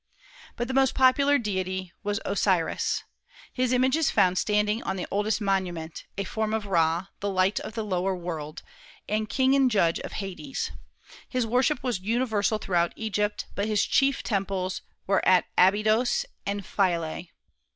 But the most popular deity was Osiris. His image is found standing on the oldest monument, a form of Ra, the light of the lower world, and king and judge of Hades. His worship was universal throughout Egypt, but his chief temples were at Abydos and Philae.